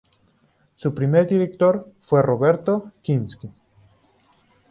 Su primer director fue Roberto Kinsky.